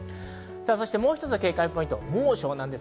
もう一つの警戒ポイントは猛暑です。